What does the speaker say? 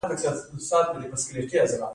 د خیرخانې کوتل کابل ته ننوځي